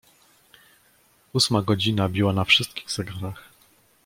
"Ósma godzina biła na wszystkich zegarach."